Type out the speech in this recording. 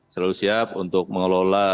selalu siap untuk mengelola